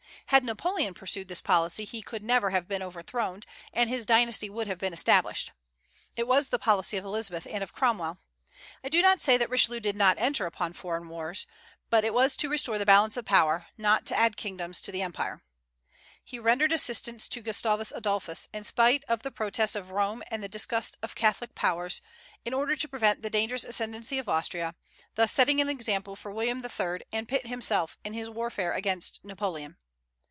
Had Napoleon pursued this policy, he could never have been overthrown, and his dynasty would have been established. It was the policy of Elizabeth and of Cromwell. I do not say that Richelieu did not enter upon foreign wars; but it was to restore the "balance of power," not to add kingdoms to the empire. He rendered assistance to Gustavus Adolphus, in spite of the protests of Rome and the disgust of Catholic powers, in order to prevent the dangerous ascendency of Austria; thus setting an example for William III., and Pitt himself, in his warfare against Napoleon.